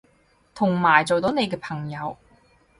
同埋做到你嘅朋友